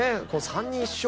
３人一緒？